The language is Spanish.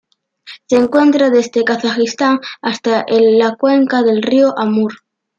Se encuentra desde Kazajistán hasta la cuenca del río Amur.